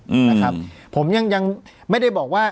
อืมนะครับผมยังยังไม่ได้บอกว่า